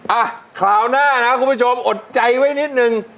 อ่ะคราวหน้านะคุณผู้ชมอดใจไว้นิดนึง